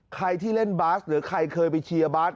ใครที่เล่นบาสหรือใครเคยไปเชียร์บาส